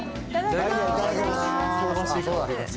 いただきます。